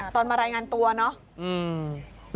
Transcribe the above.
มารายงานตัวเนาะ